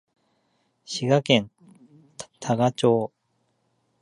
滋賀県多賀町